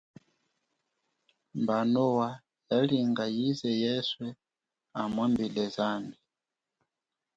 Mba noa yalinga yize yeswe amwambile zambi.